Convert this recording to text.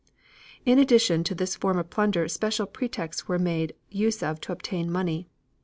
In addition to this form of plunder special pretexts were made use of to obtain money.